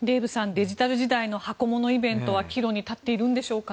デジタル時代の箱物イベントは岐路に立っているんでしょうか。